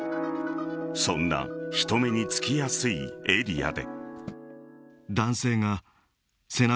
そんな人目につきやすいエリアで。